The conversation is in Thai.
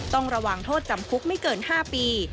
ต้องระวังโทษจำคุกไม่เกิน๕ปี